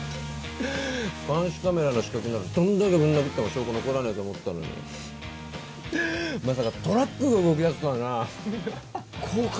監視カメラの死角ならどんだけぶん殴っても証拠残らねえと思ったのにまさかトラックが動きだすとはな後悔